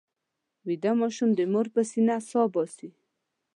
ویده ماشوم د مور پر سینه سا باسي